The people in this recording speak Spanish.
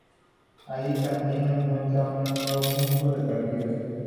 Allí, Cantilo encuentra un nuevo punto de partida".